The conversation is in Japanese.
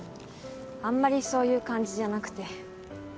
あんまりそういう感じじゃなくて。